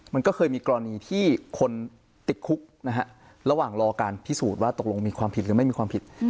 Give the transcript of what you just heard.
มันก็เคยมีกรณีที่คนติดคุกนะฮะระหว่างรอการพิสูจน์ว่าตกลงมีความผิดหรือไม่มีความผิด